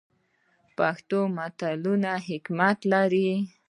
پښتو متلونه حکمت لري